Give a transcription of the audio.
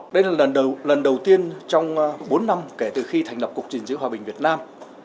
đây là lần đầu tiên trong bốn năm kể từ khi thành lập cục diên giữ hòa bình việt nam